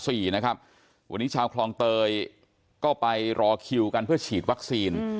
วันนี้ชาวคลองเตยก็ไปรอคิวกันเพื่อฉีดวัคซีน